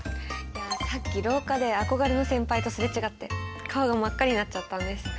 さっき廊下で憧れの先輩とすれ違って顔が真っ赤になっちゃったんです。